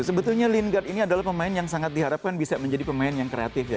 sebetulnya lin guard ini adalah pemain yang sangat diharapkan bisa menjadi pemain yang kreatif ya